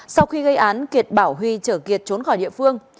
sau khi gây án kiệt bảo huy chở kiệt trốn khỏi địa phương